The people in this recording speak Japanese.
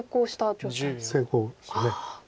成功です。